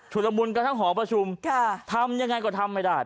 ฉุฬบุญกับทั้งหอประชุมค่ะทำยังไงก็ทำไม่ได้